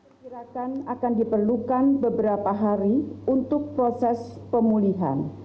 dikirakan akan diperlukan beberapa hari untuk proses pemulihan